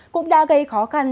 cũng đã gây khó khăn